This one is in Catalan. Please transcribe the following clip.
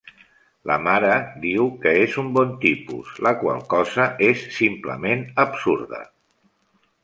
La mare diu que és un bon tipus, la qual cosa és simplement absurda.